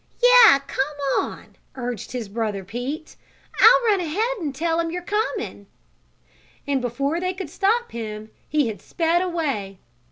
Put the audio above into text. "Yes, come on!" urged his brother Pete. "I'll run ahead and tell 'em you're coming," and before they could stop him he had sped away.